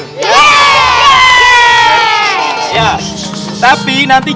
ya baik para santriwan maupun santriwati tolong dengarkan sebentar sekarang kalian boleh istirahat di kamar kalian masing masing